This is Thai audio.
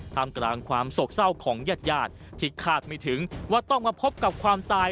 ทำกลางความโศกเศร้าของญาติญาติที่คาดไม่ถึงว่าต้องมาพบกับความตาย